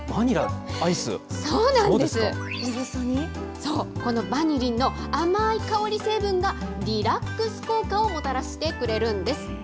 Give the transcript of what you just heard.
そう、このバニリンの甘い香り成分が、リラックス効果をもたらしてくれるんです。